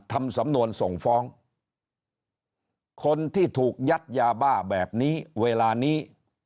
ทำสำนวนส่งฟ้องคนที่ถูกยัดยาบ้าแบบนี้เวลานี้